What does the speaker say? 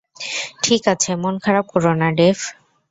ঠিক আছে, মন খারাপ কোরোনা, ডেভ।